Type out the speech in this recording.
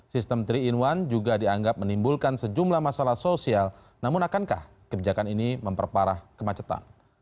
sistem tiga in satu juga dianggap menimbulkan sejumlah masalah sosial namun akankah kebijakan ini memperparah kemacetan